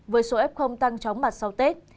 với số f tăng chóng mặt sau tết